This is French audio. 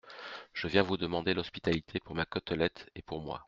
Je viens vous demander l’hospitalité pour ma côtelette et pour moi…